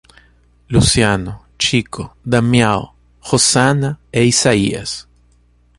Luciano, Chico, Damião, Rosana e Isaías